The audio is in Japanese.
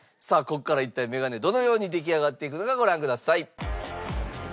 さあここから一体メガネどのように出来上がっていくのかご覧ください。